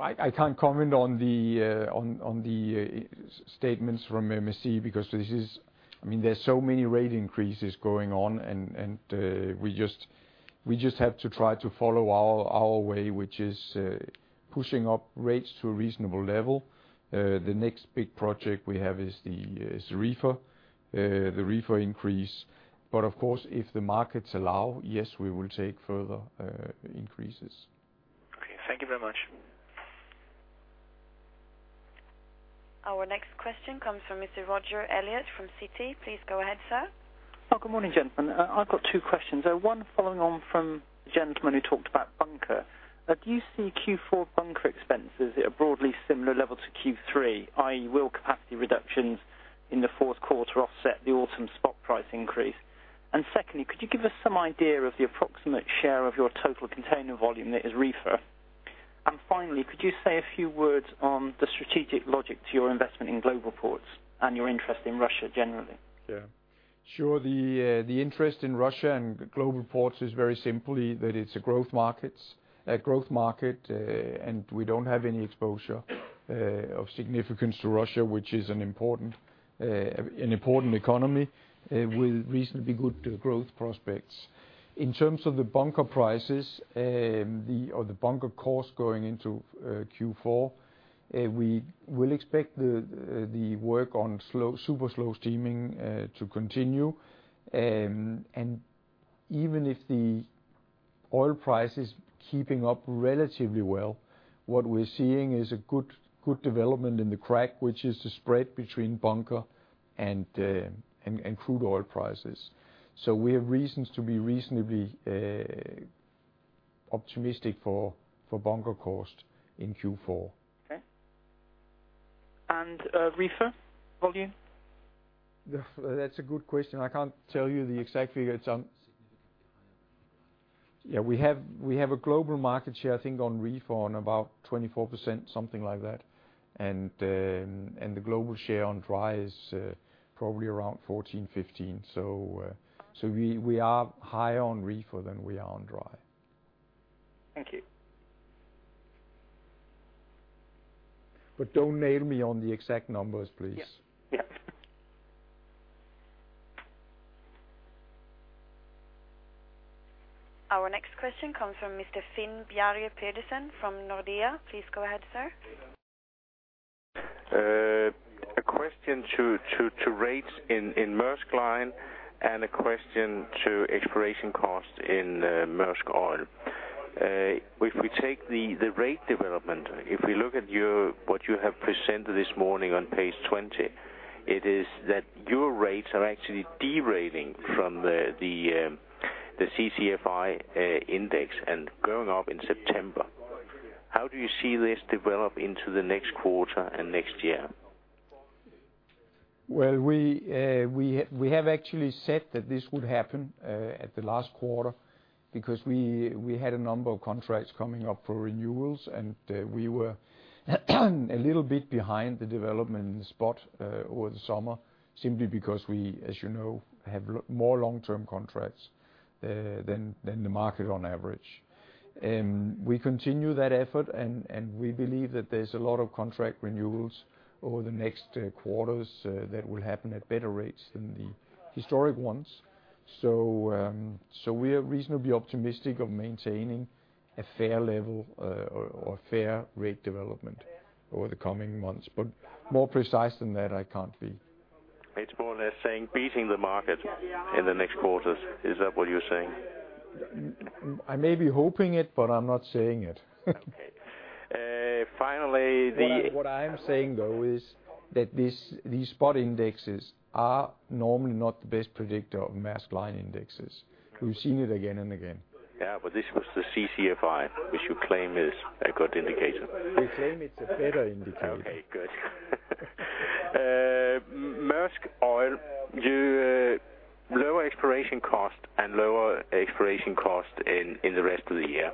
I can't comment on the statements from MSC because I mean, there's so many rate increases going on, and we just have to try to follow our way, which is pushing up rates to a reasonable level. The next big project we have is the reefer increase. Of course, if the markets allow, yes, we will take further increases.
Okay. Thank you very much.
Our next question comes from Mr. Roger Elliott from Citi. Please go ahead, sir.
Good morning, gentlemen. I've got two questions. One following on from the gentleman who talked about bunker. Do you see Q4 bunker expenses at a broadly similar level to Q3, i.e. will capacity reductions in the Q4 offset the autumn spot price increase? Secondly, could you give us some idea of the approximate share of your total container volume that is reefer? Finally, could you say a few words on the strategic logic to your investment in Global Ports and your interest in Russia generally?
Yeah. Sure. The interest in Russia and Global Ports is very simply that it's a growth market, and we don't have any exposure of significance to Russia, which is an important economy with reasonably good growth prospects. In terms of the bunker cost going into Q4, we will expect the work on slow steaming, super slow steaming to continue. Even if the oil price is keeping up relatively well, what we're seeing is a good development in the crack, which is the spread between bunker and crude oil prices. We have reasons to be reasonably optimistic for bunker cost in Q4.
Okay. Reefer volume?
That's a good question. I can't tell you the exact figure. It's
Significantly higher.
We have a global market share, I think on reefer on about 24%, something like that. The global share on dry is probably around 14%-15%. We are higher on reefer than we are on dry.
Thank you.
Don't nail me on the exact numbers, please.
Yeah. Yeah.
Our next question comes from Mr. Finn Bjarne Pedersen from Nordea. Please go ahead, sir.
A question to rates in Maersk Line and a question to exploration costs in Maersk Oil. If we take the rate development, if we look at what you have presented this morning on page 20, it is that your rates are actually de-rating from the CCFI index and going up in September. How do you see this develop into the next quarter and next year?
Well, we have actually said that this would happen at the last quarter because we had a number of contracts coming up for renewals and we were a little bit behind the development in the spot over the summer, simply because we, as you know, have more long-term contracts than the market on average. We continue that effort and we believe that there's a lot of contract renewals over the next quarters that will happen at better rates than the historic ones. We're reasonably optimistic of maintaining a fair level or fair rate development over the coming months. More precise than that, I can't be.
It's more or less saying beating the market in the next quarters. Is that what you're saying?
I may be hoping it, but I'm not saying it.
Okay. Finally, the-
What I am saying, though, is that these spot indexes are normally not the best predictor of Maersk Line indexes. We've seen it again and again.
This was the CCFI, which you claim is a good indicator.
We claim it's a better indicator.
Okay, good. Maersk Oil, you lower exploration cost in the rest of the year.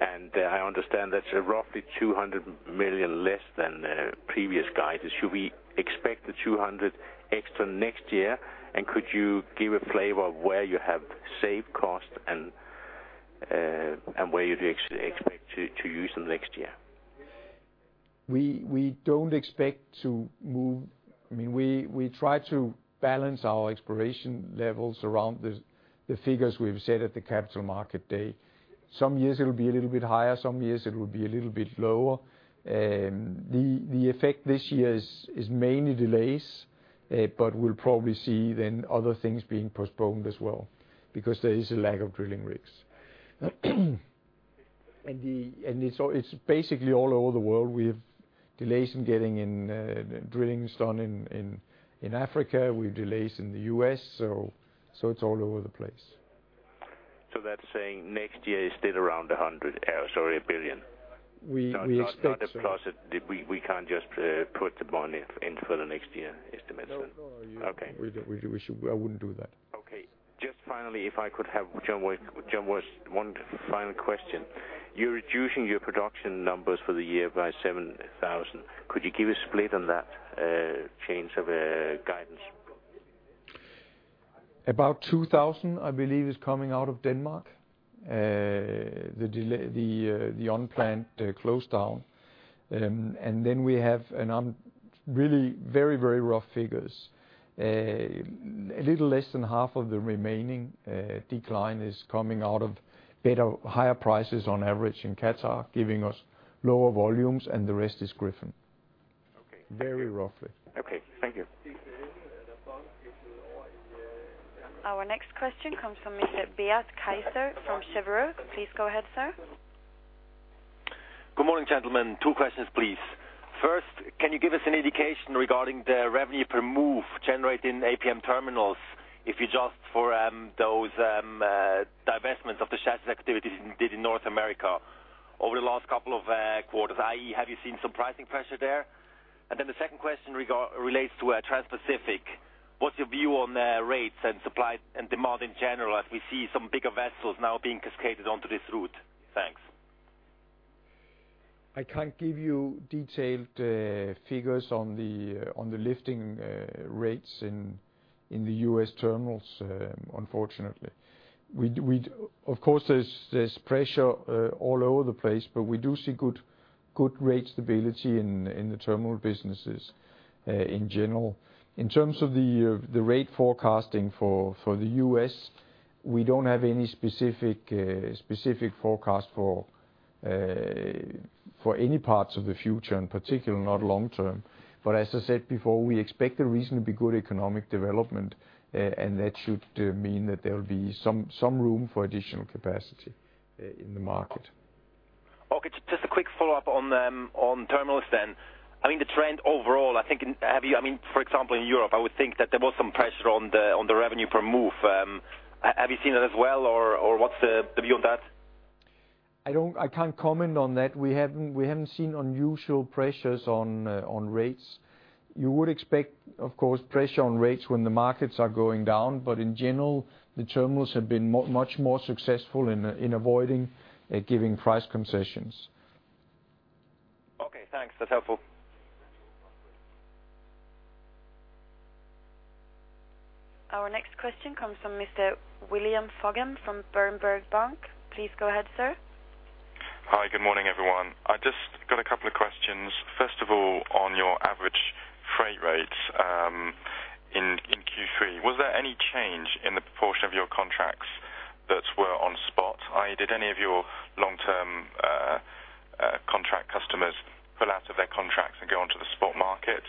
I understand that's roughly $200 million less than previous guidance. Should we expect the $200 million extra next year? Could you give a flavor of where you have saved costs and where you'd expect to use them next year?
We don't expect to move. I mean, we try to balance our exploration levels around the figures we've set at the capital market day. Some years it'll be a little bit higher, some years it will be a little bit lower. The effect this year is mainly delays. We'll probably see then other things being postponed as well, because there is a lack of drilling rigs. It's basically all over the world. We have delays in getting in drillings done in Africa. We have delays in the US, so it's all over the place.
That's saying next year is still around $1 billion.
We expect so.
Not a profit. We can't just put the money in for the next year estimates then.
No. No.
Okay.
We don't. We should, I wouldn't do that.
Okay. Just finally, if I could have uncertain, one final question. You're reducing your production numbers for the year by 7,000. Could you give a split on that, change of, guidance?
About 2,000, I believe, is coming out of Denmark. The delay, the one plant close down. Then we have, I'm really very rough figures. A little less than half of the remaining decline is coming out of better, higher prices on average in Qatar, giving us lower volumes, and the rest is Gryphon.
Okay.
Very roughly.
Okay, thank you.
Our next question comes from Mr. Beat Kaiser from Cheuvreux. Please go ahead, sir.
Good morning, gentlemen. Two questions, please. First, can you give us an indication regarding the revenue per move generated in APM Terminals, if you adjust for those divestments of the chassis activities you did in North America over the last couple of quarters? i.e., have you seen some pricing pressure there? Then the second question relates to trans-Pacific. What's your view on rates and supply and demand in general, as we see some bigger vessels now being cascaded onto this route? Thanks.
I can't give you detailed figures on the lifting rates in the U.S. terminals, unfortunately. Of course, there's pressure all over the place, but we do see good rate stability in the terminal businesses, in general. In terms of the rate forecasting for the U.S., we don't have any specific forecast for any parts of the future, and particularly not long term. As I said before, we expect a reasonably good economic development, and that should mean that there'll be some room for additional capacity in the market.
Okay. Just a quick follow-up on terminals then. I mean, the trend overall, I think, I mean, for example, in Europe, I would think that there was some pressure on the revenue per move. Have you seen that as well, or what's the view on that?
I don't, I can't comment on that. We haven't seen unusual pressures on rates. You would expect, of course, pressure on rates when the markets are going down. In general, the terminals have been much more successful in avoiding giving price concessions.
Okay, thanks. That's helpful.
Question comes from Mr. William Foggin from Berenberg Bank. Please go ahead, sir.
Hi, good morning, everyone. I just got a couple of questions. First of all, on your average freight rates, in Q3, was there any change in the proportion of your contracts that were on spot? Did any of your long-term contract customers pull out of their contracts and go on to the spot market,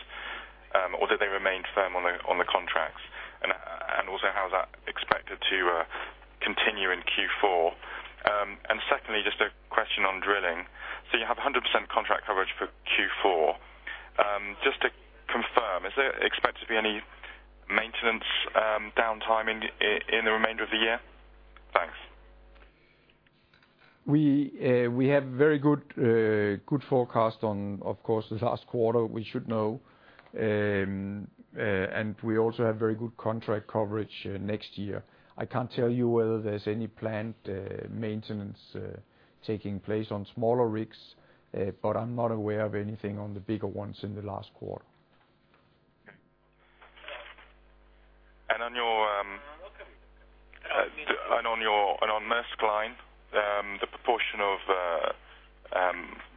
or did they remain firm on the contracts? Also, how is that expected to continue in Q4? Secondly, just a question on drilling. You have 100% contract coverage for Q4. Just to confirm, is there expected to be any maintenance downtime in the remainder of the year? Thanks.
We have very good forecast on, of course, the last quarter we should know. We also have very good contract coverage next year. I can't tell you whether there's any planned maintenance taking place on smaller rigs, but I'm not aware of anything on the bigger ones in the last quarter.
On your Maersk Line, the proportion of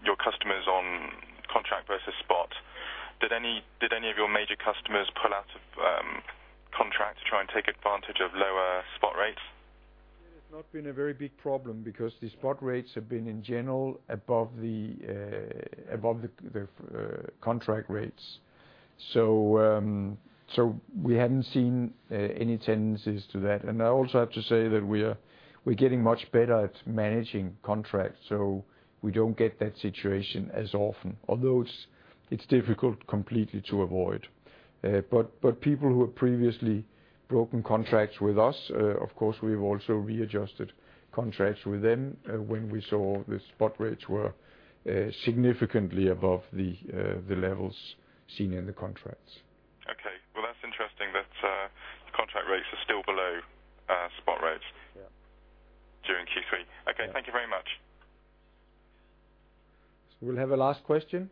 your customers on contract versus spot. Did any of your major customers pull out of contracts to try and take advantage of lower spot rates?
It's not been a very big problem because the spot rates have been, in general, above the contract rates. We hadn't seen any tendencies to that. I also have to say that we're getting much better at managing contracts, so we don't get that situation as often. Although it's difficult completely to avoid. People who have previously broken contracts with us, of course, we've also readjusted contracts with them, when we saw the spot rates were significantly above the levels seen in the contracts.
Okay. Well, that's interesting that contract rates are still below spot rates.
Yeah.
during Q3.
Yeah.
Okay, thank you very much.
We'll have a last question.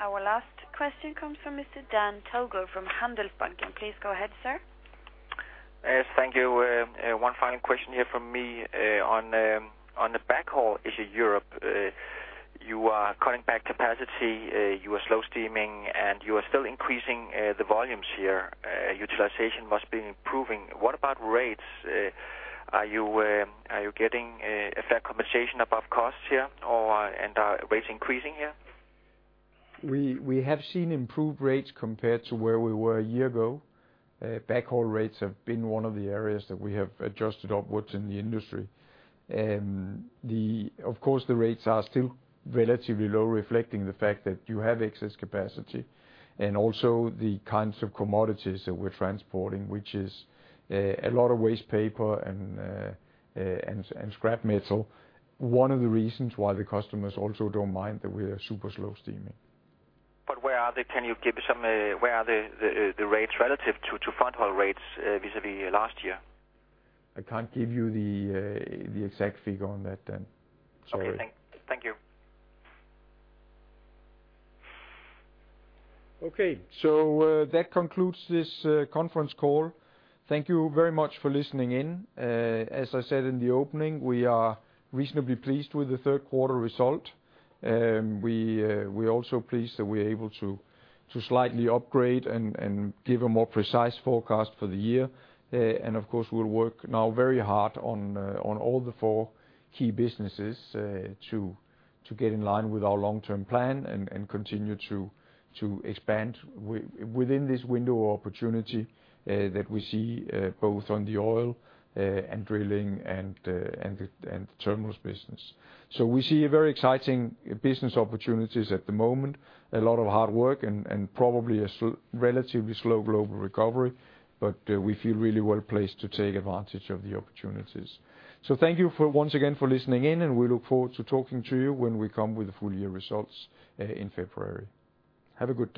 Our last question comes from Mr. Dan Togo Jensen from Handelsbanken. Please go ahead, sir.
Yes, thank you. One final question here from me. On the backhaul issue Europe, you are cutting back capacity, you are slow steaming, and you are still increasing the volumes here. Utilization must be improving. What about rates? Are you getting a fair compensation above costs here, or and are rates increasing here?
We have seen improved rates compared to where we were a year ago. Backhaul rates have been one of the areas that we have adjusted upwards in the industry. Of course, the rates are still relatively low, reflecting the fact that you have excess capacity, and also the kinds of commodities that we're transporting, which is a lot of waste paper and scrap metal. One of the reasons why the customers also don't mind that we're super slow steaming.
Where are they? Can you give some where are the rates relative to front haul rates vis-à-vis last year?
I can't give you the exact figure on that, Dan. Sorry.
Okay. Thank you.
Okay. That concludes this conference call. Thank you very much for listening in. As I said in the opening, we are reasonably pleased with the third quarter result. We're also pleased that we're able to slightly upgrade and give a more precise forecast for the year. Of course, we'll work now very hard on all the four key businesses to get in line with our long-term plan and continue to expand within this window of opportunity that we see both on the oil and drilling and the terminals business. We see very exciting business opportunities at the moment, a lot of hard work and probably a relatively slow global recovery. We feel really well placed to take advantage of the opportunities. Thank you once again for listening in, and we look forward to talking to you when we come with the full year results in February. Have a good day.